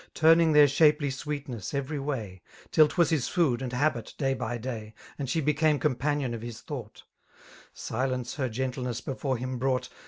Turning their shapely sweetness every way. Till 'twas his food and habit day by day. And «he. became companion of his thought; Silence her gentleness before him brought.